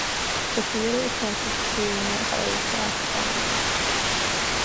The Theater is connected to the Arena by a glass promenade.